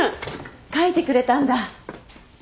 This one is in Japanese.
書いてくれたんだ。